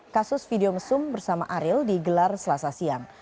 kasus video mesum bersama ariel digelar selasa siang